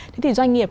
thế thì doanh nghiệp